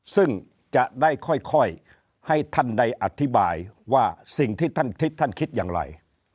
ซึ่งจะได้ค่อยให้ท่านได้อธิบายว่าสิ่งที่ท่านคิดท่านคิดอย่างไร